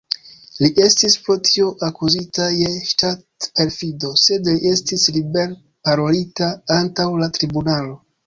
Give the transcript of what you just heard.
Li estis pro tio akuzita je ŝtat-perfido, sed li estis liber-parolita antaŭ la tribunalo.